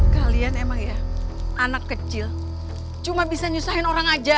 kalian emang ya anak kecil cuma bisa nyusahin orang aja